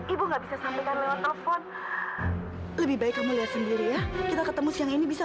ibu nggak bisa sampaikan lewat telepon lebih baik kamu lihat sendiri ya kita ketemu siang ini bisa